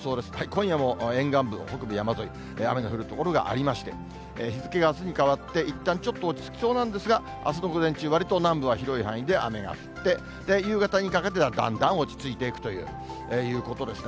今夜も沿岸部、北部山沿い、雨の降る所がありまして、日付があすに変わって、いったんちょっと落ち着きそうなんですが、あすの午前中、わりと南部は広い範囲で雨が降って、夕方にかけてはだんだん落ち着いていくということですね。